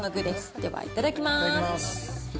では、いただきます。